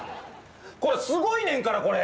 これすごいねんからこれ。